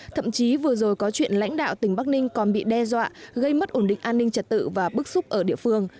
thậm chí vừa rồi có chuyện lãnh đạo tỉnh bắc ninh còn bị đe dọa gây mất ổn định an ninh trật tự và bức xúc ở địa phương